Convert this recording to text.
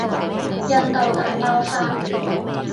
印度大爆發